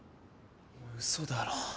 嘘だろ。